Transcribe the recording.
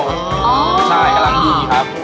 ใช่ประมาณนี้ครับ